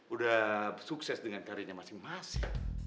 udah sukses dengan karirnya masing masing